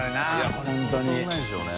これ相当うまいんでしょうね。